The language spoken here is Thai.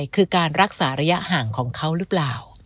คือการรักษาระยะห่างของเขาหรือเปล่า